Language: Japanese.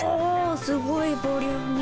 すごいボリューミー。